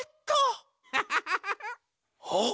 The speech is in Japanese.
あっ！